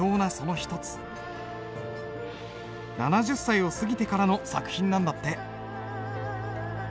７０歳を過ぎてからの作品なんだって。